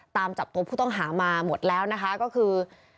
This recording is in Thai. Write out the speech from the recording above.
ตามจับตัวผู้ต้องหามาหมดแล้วนะคะก็คือ